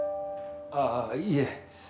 ああいいえ。